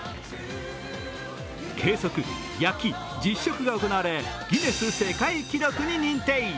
計測、焼き、実食が行われギネス世界記録に認定。